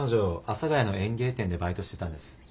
阿佐ヶ谷の園芸店でバイトしてたんです。